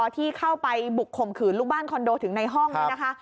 ที่เข้าไปบุกข่มขืนลูกบ้านคอนโดถึงในห้องเนี่ยนะคะ